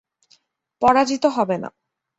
পরাজিত হবে না।